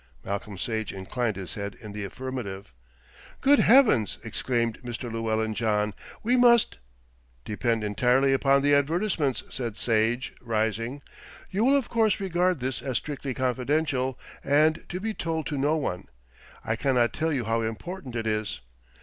Malcolm Sage inclined his head in the affirmative. "Good heavens!" exclaimed Mr. Llewellyn John, "we must " "Depend entirely upon the advertisements," said Sage, rising. "You will of course regard this as strictly confidential, and to be told to no one. I cannot tell you how important it is."